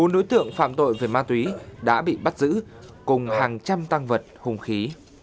bốn đối tượng phạm tội về ma túy đã bị bắt giữ cùng hàng trăm tăng vật hùng khí